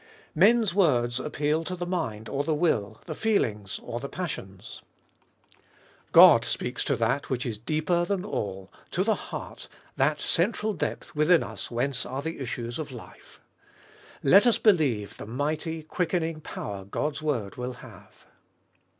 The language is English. Men's words appeal to the mind or the will, the feelings or the passions. God speaks to that which is deeper than all, to the heart, that central depth within us whence are the issues of life. Let us believe the mighty, quickening power God's word will have.